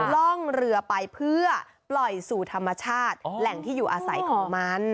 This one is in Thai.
ล่องเรือไปเพื่อปล่อยสู่ธรรมชาติแหล่งที่อยู่อาศัยของมัน